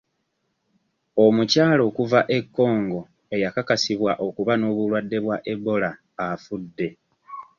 Omukyala okuva e Congo eyakakasibwa okuba n'obulwadde bwa Ebola afudde.